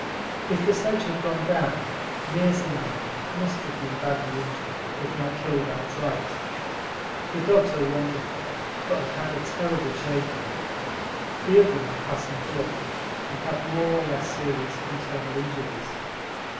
If the sledge had gone down Meares and I must have been badly injured, if not killed outright. The dogs are wonderful, but have had a terrible shaking three of them are passing blood and have more or less serious internal injuries.